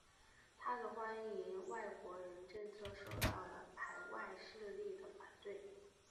他的欢迎外国人政策受到排外势力的反对。